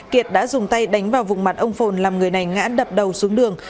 kiệt đã dùng tay đánh vào vùng mặt ông phồn làm người này ngã đập đầu xuống đường